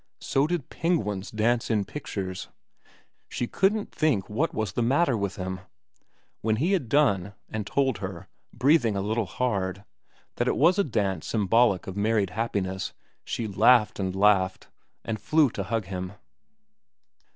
So did penguins dance in pictures. She couldn't think what was the matter with him. When he had done, and told her, breathing a little hard, that it was a dance symbolic of married happiness, she laughed and laughed, and flew to hug him.